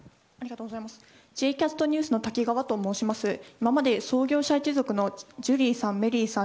今まで創業者一族のジュリーさん、メリーさん